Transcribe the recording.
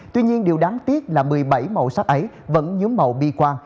tuy nhiên điều đáng tiếc là một mươi bảy màu sắc ấy vẫn nhớ màu bi quan